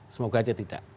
semoga aja tidak